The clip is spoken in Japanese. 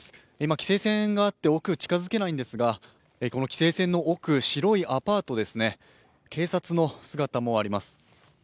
規制線があって奥、近づけないんですが規制線の奥白いアパートですね、警察の姿もあります。